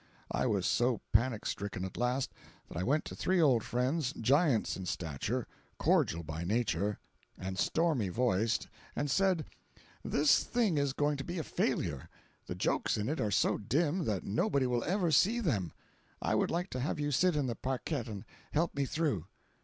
I was so panic stricken, at last, that I went to three old friends, giants in stature, cordial by nature, and stormy voiced, and said: "This thing is going to be a failure; the jokes in it are so dim that nobody will ever see them; I would like to have you sit in the parquette, and help me through."